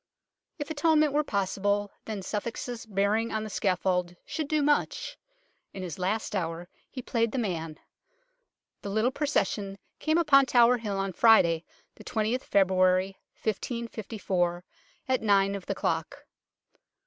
If atonement were possible, then Suffolk's bearing on the scaffold should do much. In his last hour he played the man. The little pro cession came upon Tower Hill on Friday, the 20th February 1554, at nine of the clock.